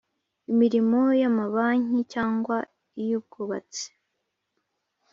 Imirimo y’amabanki cyangwa iyubwabatsi